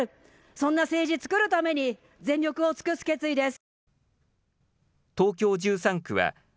そんな政治つくるために全力を尽くす決意です。